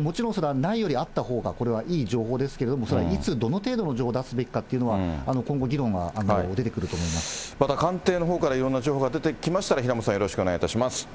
もちろん、それはないよりあったほうがこれはいい情報ですけれども、それはいつ、どの程度の情報出すべきかっていうのは、また、官邸のほうからいろんな情報が出てきましたら、平本さん、よろしくお願いいたします。